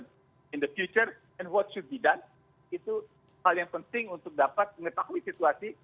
dan apa yang harus dilakukan itu hal yang penting untuk dapat mengetahui situasi